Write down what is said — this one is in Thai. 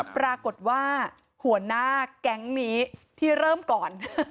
ปรากฏว่าหัวหน้าแก๊งนี้ที่เริ่มก่อน